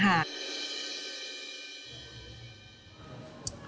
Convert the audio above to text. เชิญค่ะ